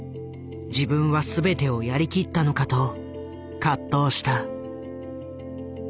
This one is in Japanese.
「自分は全てをやりきったのか」と葛藤した。